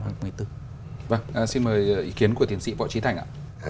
vâng xin mời ý kiến của tiến sĩ võ trí thành ạ